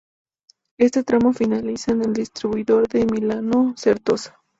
Este tramo finaliza en el distribuidor de "Milano-Certosa".